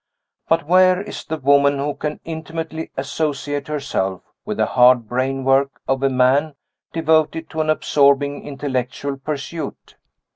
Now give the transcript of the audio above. But where is the woman who can intimately associate herself with the hard brain work of a man devoted to an absorbing intellectual pursuit?